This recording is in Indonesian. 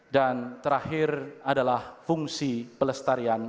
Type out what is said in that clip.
dan terakhir adalah fungsi pelestirian